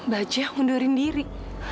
bajak ngundurin diri